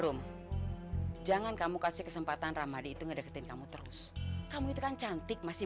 dong jangan kamu kasih kesempatan ramadi itu ngedeketin kamu terus kamu itu kan cantik masih